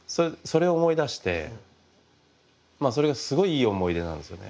それを思い出してそれがすごいいい思い出なんですよね。